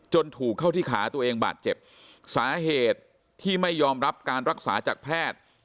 ถูกเข้าที่ขาตัวเองบาดเจ็บสาเหตุที่ไม่ยอมรับการรักษาจากแพทย์